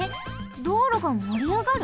どうろがもりあがる？